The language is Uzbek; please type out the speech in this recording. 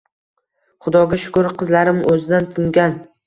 Xudoga shukur, qizlarim o‘zidan tingan.